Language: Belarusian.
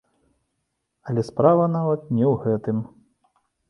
Але справа нават не ў гэтым.